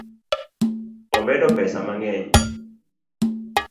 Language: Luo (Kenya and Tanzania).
Omedo pesa mang'eny